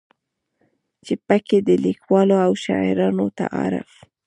چې پکې د ليکوالو او شاعرانو تعارف